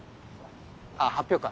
あっ発表会。